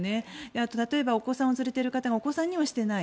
あと、例えばお子さんを連れている方がお子さんにはしていない。